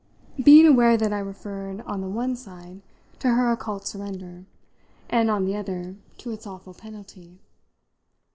being aware that I referred on the one side to her occult surrender and on the other to its awful penalty.